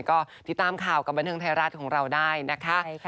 ก็ติดตามข่าวกับบันเทิงไทยรัฐของเราได้นะคะ